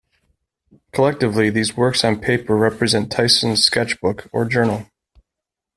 Collectively these works on paper represent Tyson's sketchbook or journal.